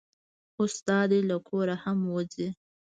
اوس دا دی له کوره هم وځي.